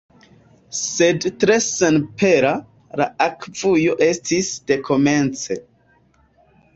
Sed tre senpera la akvujo estis de komence.